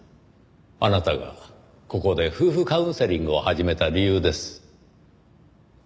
あなたがここで夫婦カウンセリングを始めた理由です。